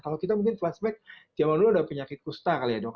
kalau kita mungkin flashback zaman dulu ada penyakit kusta kali ya dok